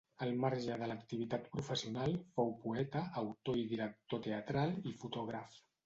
Al marge de l'activitat professional, fou poeta, autor i director teatral i fotògraf.